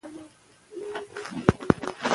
که لیکنه معیاري نه وي، لوستونکي یې نه پوهېږي.